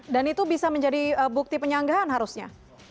dan itu bisa menjadi bukti penyanggahan harusnya